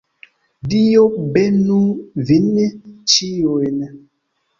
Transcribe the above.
Dio benu vin ĉiujn.